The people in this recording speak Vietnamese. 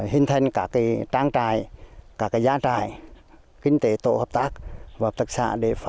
hình thành cả trang trại cả gia trại kinh tế tổ hợp tác và thực xạ